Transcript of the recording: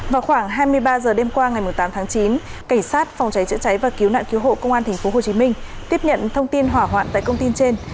vào khoảng hai mươi ba h đêm qua ngày tám tháng chín cảnh sát phòng cháy chữa cháy và cứu nạn cứu hộ công an tp hcm tiếp nhận thông tin hỏa hoạn tại công ty trên